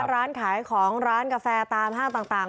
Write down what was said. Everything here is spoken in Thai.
ร้านขายของร้านกาแฟตามห้างต่าง